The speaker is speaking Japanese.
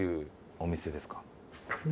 お店ですか？